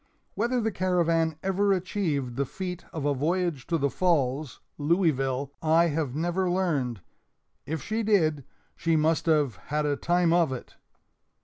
Whether the Caravan ever achieved the feat of a voyage to the Falls (Louisville) I have never learned; if she did, she must have "had a time of it!"